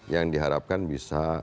yang diharapkan bisa